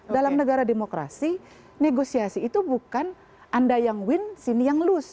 dalam negara demokrasi negosiasi itu bukan anda yang win sini yang loose